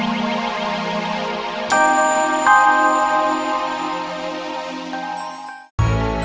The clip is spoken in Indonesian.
aku mau tidur